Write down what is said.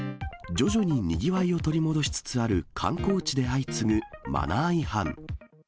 徐々ににぎわいを取り戻しつつある観光地で相次ぐマナー違反。